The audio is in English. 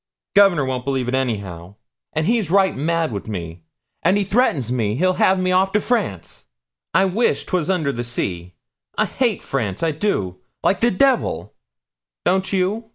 'Gov'nor won't believe it anyhow; and he's right mad wi' me; and he threatens me he'll have me off to France; I wish 'twas under the sea. I hate France I do like the devil. Don't you?